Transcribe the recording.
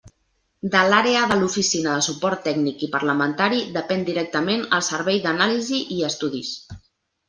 De l'Àrea de l'Oficina de Suport Tècnic i Parlamentari depèn directament el Servei d'Anàlisi i Estudis.